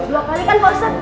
dua kali kan ustadz